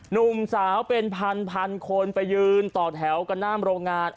หนุ่มสาวเป็นพันคนไปยืนต่อแถวกันหน้าโรงงาน